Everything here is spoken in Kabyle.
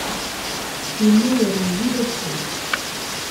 Yennayer yuwi-d adfel.